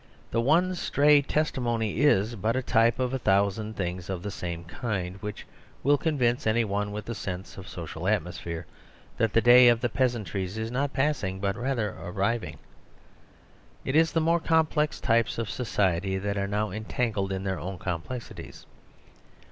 This one stray testimony is but a type of a thousand things of the same kind, which will convince any one with the sense of social atmospheres that the day of the peasantries is not passing, but rather arriving. It is the more complex types of society that are now entangled in their own complexities.